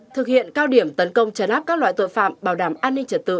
thực hiện cao điểm tấn công chấn áp các loại tội phạm bảo đảm an ninh trật tự